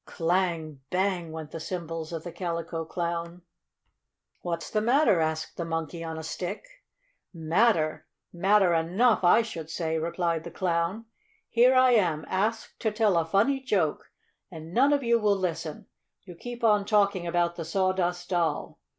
"Clang! Bang!" went the cymbals of the Calico Clown. "What's the matter?" asked the Monkey on a Stick. "Matter? Matter enough, I should say!" replied the Clown. "Here I am asked to tell a funny joke, and none of you will listen. You keep on talking about the Sawdust Doll.